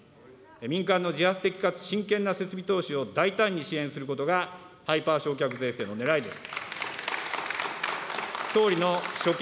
民間の自発的かつ真剣な設備投資を大胆に支援することがハイパー償却税制のねらいです。